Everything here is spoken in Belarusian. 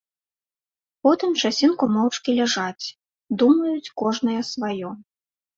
Потым часінку моўчкі ляжаць, думаюць кожная сваё.